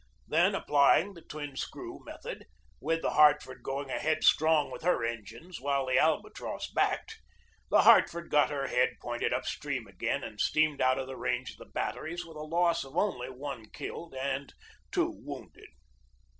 Then, applying the twin screw method, with the Hartford going ahead strong with her engines while the Alba tross backed, the Hartford got her head pointed up stream again and steamed out of the range of the batteries with a loss of only one killed and two wounded.